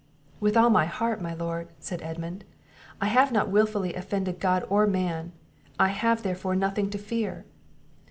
"With all my heart, my Lord," said Edmund, "I have not wilfully offended God or man; I have, therefore, nothing to fear."